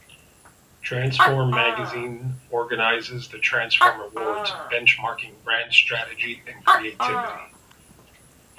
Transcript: Transform magazine organises the Transform Awards benchmarking brand strategy and creativity.